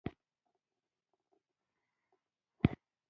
خاص مزیت ګڼي.